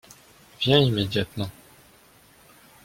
viens immédiatement.